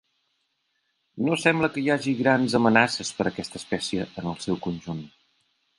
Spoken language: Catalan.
No sembla que hi hagi grans amenaces per aquesta espècie en el seu conjunt.